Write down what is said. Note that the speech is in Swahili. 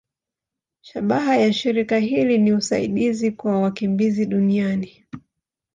Shabaha ya shirika hili ni usaidizi kwa wakimbizi duniani.